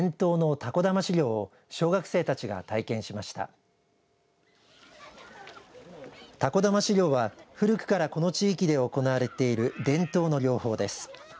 タコだまし漁は古くからこの地域で行われている伝統の漁法です。